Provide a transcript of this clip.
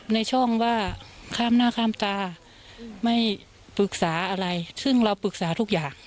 ในช่องว่าข้ามหน้าข้ามตาไม่ปรึกษาอะไรซึ่งเราปรึกษาทุกอย่าง